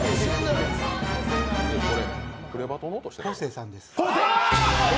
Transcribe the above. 昴生さんです。